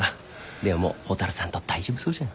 でももう蛍さんと大丈夫そうじゃん。